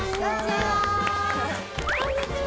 こんにちは。